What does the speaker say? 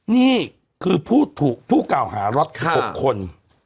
นี่คือผู้เก่าหารถ๑๖คน